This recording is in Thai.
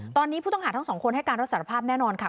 ตอนนี้ผู้ต้องหาทั้งสองคนให้การรับสารภาพแน่นอนค่ะ